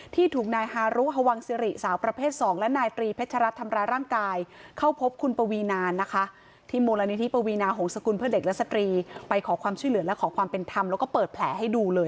ที่ถูกนายฮารุฮวังสิริสาวประเภท๒และนายตรีเพชรรัฐทำร้ายร่างกาย